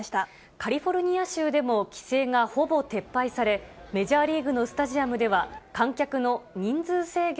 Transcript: カリフォルニア州でも規制がほぼ撤廃され、メジャーリーグのスタジアムでは、観客の人数制限